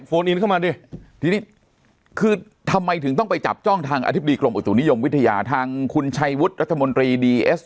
อินเข้ามาดิทีนี้คือทำไมถึงต้องไปจับจ้องทางอธิบดีกรมอุตุนิยมวิทยาทางคุณชัยวุฒิรัฐมนตรีดีเอส